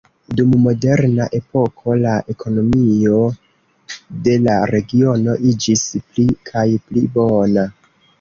Dum Moderna epoko la ekonomio de la regiono iĝis pli kaj pli bona.